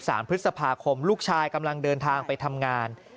สามพฤษภาคมลูกชายกำลังเดินทางไปทำงาน